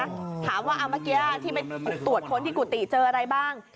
ถามว่าเอาเมื่อกี้ที่ไปตรวจค้นที่กุฏิเจออะไรบ้าง